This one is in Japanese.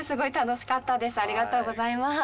ありがとうございます。